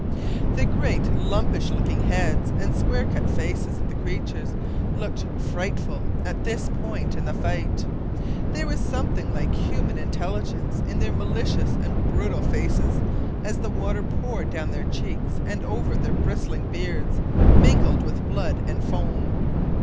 The great lumpish looking heads and square cut faces of the creatures looked frightful at this point in the fight. There was something like human intelligence in their malicious and brutal faces, as the water poured down their cheeks and over their bristling beards, mingled with blood and foam.